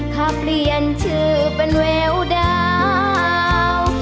ขับเปลี่ยนชื่อเป็นแววดาว